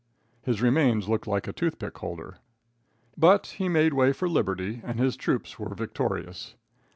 His remains looked like a toothpick holder. But he made way for Liberty, and his troops were victorious.